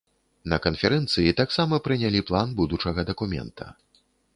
На канферэнцыі таксама прынялі план будучага дакумента.